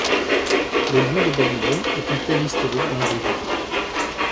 Le Lion de Babylone est un thème historique dans la région.